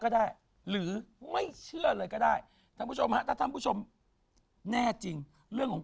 ก็ได้หรือไม่เชื่อเลยก็ได้ชมแต่ทำผู้ชมแน่จริงเรื่องของ